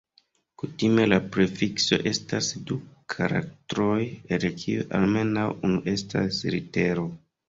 Kutime la prefikso estas du karaktroj el kiuj almenaŭ unu estas litero.